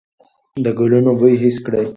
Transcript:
د ګلونو بوی حس کړئ.